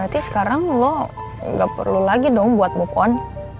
berarti sekarang lo gak perlu lagi dong buat move on